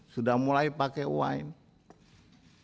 sudah mulai pakai wine